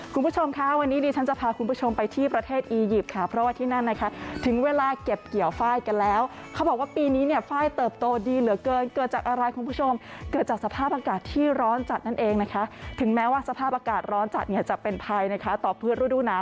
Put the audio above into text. คุณผู้ชมค่ะวันนี้ดีฉันจะพาคุณผู้ชมไปที่ประเทศอียิปต์